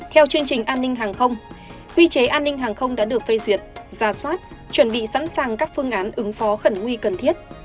theo chương trình an ninh hàng không quy chế an ninh hàng không đã được phê duyệt giả soát chuẩn bị sẵn sàng các phương án ứng phó khẩn nguy cần thiết